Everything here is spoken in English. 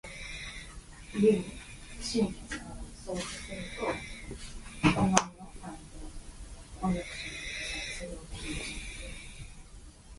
The island boasts the city's narrowest street named after the artist Ilya Repin.